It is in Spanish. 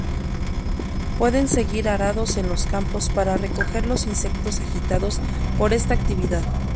Pueden seguir arados en los campos para recoger los insectos agitados por esta actividad.